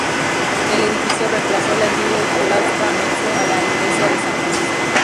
El edificio reemplazó al antiguo claustro anexo a la iglesia de San Francisco.